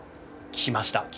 きました。